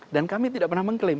dan kami tidak pernah mengklaim